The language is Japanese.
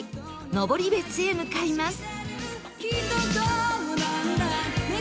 登別へ向かいます